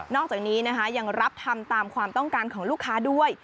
อกจากนี้นะคะยังรับทำตามความต้องการของลูกค้าด้วย